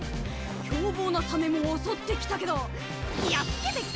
凶暴なサメも襲ってきたけどやっつけてきたよ！